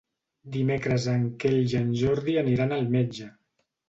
Dimecres en Quel i en Jordi aniran al metge.